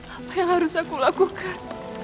apa yang harus aku lakukan